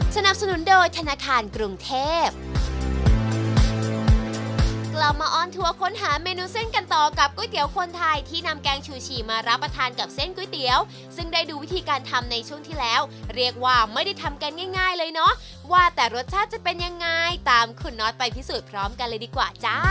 สนับสนุนโดยธนาคารกรุงเทพกลับมาออนทัวร์ค้นหาเมนูเส้นกันต่อกับก๋วยเตี๋ยวคนไทยที่นำแกงชูชีมารับประทานกับเส้นก๋วยเตี๋ยวซึ่งได้ดูวิธีการทำในช่วงที่แล้วเรียกว่าไม่ได้ทำกันง่ายเลยเนาะว่าแต่รสชาติจะเป็นยังไงตามคุณน้อยไปพิสูจน์พร้อมกันเลยดีกว่าจ้า